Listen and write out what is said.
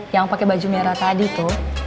yang pakai baju merah tadi tuh